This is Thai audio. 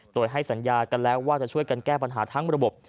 โดยให้สัญญากันแล้วว่าจะช่วยกันแก้ปัญหาทั้งระบบ